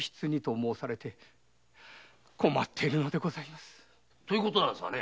申されて困っているのでございます。ということなんですがね。